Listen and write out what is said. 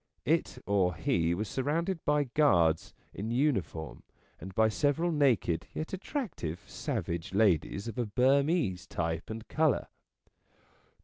It or he was surrounded by guards in uniform and by several naked yet attractive savage ladies of a Burmese type and colour.